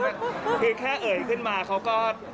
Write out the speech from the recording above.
คือแค่เอ่ยขึ้นมาเขาก็